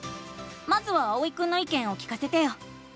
まずはあおいくんのいけんを聞かせてよ！